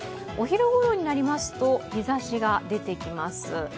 お昼ごろになりますと日ざしが出てきます。